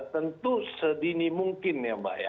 tentu sedini mungkin ya mbak ya